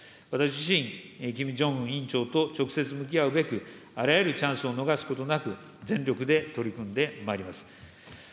私自身、キム・ジョンウン委員長と直接向き合うべく、あらゆるチャンスを逃すことなく、全力で取り組んでまいります。